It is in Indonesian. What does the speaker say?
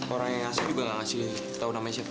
orang yang asli banget sih tahu namanya siapa